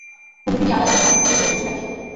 কুমুদিনী আড়াল থেকে আনন্দিত হয়ে বসে দেখে।